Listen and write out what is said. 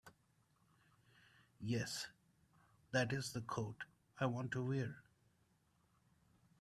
Yes, that IS the coat I want to wear.